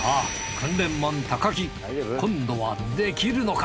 訓練マン木今度はできるのか！？